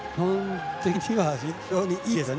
日本人的には非常にいいですよね。